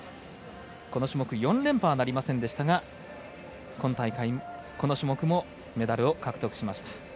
この種目４連覇はなりませんでしたが今大会、この種目をメダルを獲得しました。